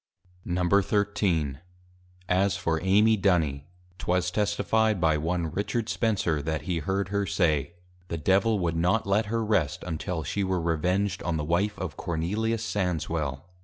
XIII. As for Amy Duny, 'twas Testifi'd by one Richard Spencer that he heard her say, _The Devil would not let her Rest; until she were Revenged on the Wife of +Cornelius Sandswel+.